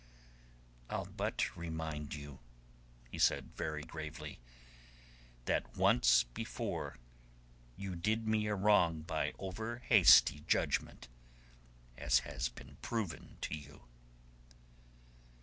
"I'll but remind you," he said very gravely, "that once before you did me a wrong by over hasty judgment, as has been proven to you."